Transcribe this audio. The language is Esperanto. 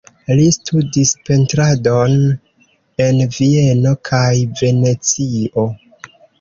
Li studis pentradon en Vieno kaj Venecio.